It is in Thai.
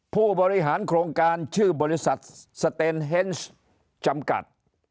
ผู้บริหารโครงการชื่อบริษัทสเตนเฮนส์จำกัด